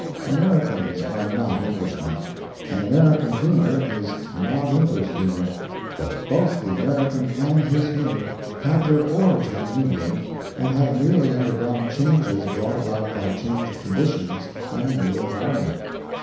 Americans are not Englishmen, and American humor is not English humor; but both the American and his humor had their origin in England, and have merely undergone changes brought about by changed conditions and a new environment.